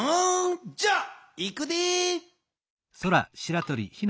じゃあいくで。